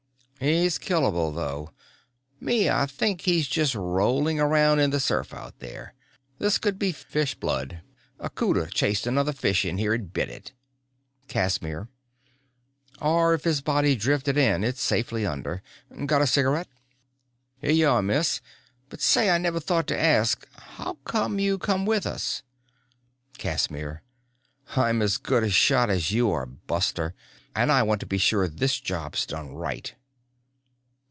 "He's killable, though. Me, I think he's just rolling around in the surf out there. This could be fish blood. A 'cuda chased another fish in here and bit it." Casimir: "Or if his body drifted in, it's safely under. Got a cigarette?" "Here y'are, Miss. But say, I never thought to ask. How come you come with us?" Casimir: "I'm as good a shot as you are, buster, and I want to be sure this job's done right."